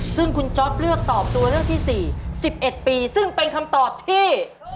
ซึ่งคุณจ๊อปเลือกตอบตัวเลือกที่๔๑๑ปีซึ่งเป็นคำตอบที่